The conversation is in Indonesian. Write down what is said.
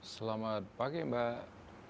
selamat pagi mbak